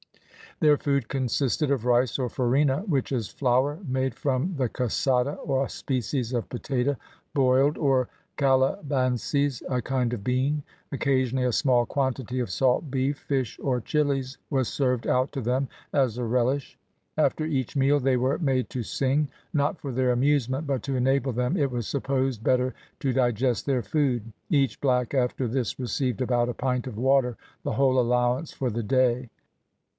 Their food consisted of rice, or farina, which is flour made from the cassada, a species of potato boiled, or calabancies, a kind of bean; occasionally a small quantity of salt beef, fish, or chillies, was served out to them as a relish. After each meal they were made to sing, not for their amusement, but to enable them, it was supposed, better to digest their food. Each black after this received about a pint of water, the whole allowance for the day.